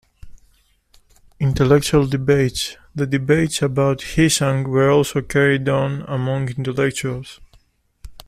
Intellectual Debates: The debates about "Heshang" were also carried on among intellectuals.